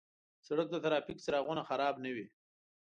د سړک د ترافیک څراغونه خراب نه وي.